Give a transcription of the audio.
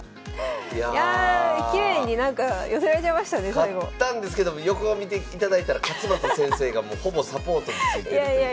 勝ったんですけども横を見ていただいたら勝又先生がほぼサポートについてるという。